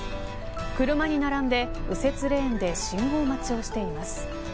車に並んで右折レーンで信号待ちをしています。